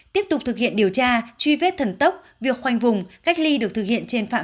tiếp tục thực hiện điều tra truy vết thần tốc việc khoanh vùng cách ly được thực hiện trên phạm